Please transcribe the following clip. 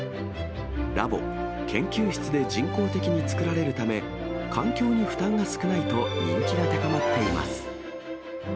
ラボ・研究室で人工的に作られるため、環境に負担が少ないと人気が高まっています。